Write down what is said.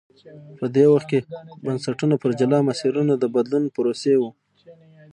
په دې وخت کې بنسټونه پر جلا مسیرونو د بدلون پروسې ووه.